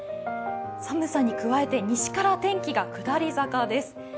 寒さに加えて西から天気が下り坂です。